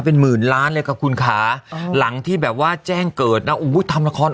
เป็นหมื่นล้านเลยค่ะคุณค่ะหลังที่แบบว่าแจ้งเกิดนะอุ้ยทำละคร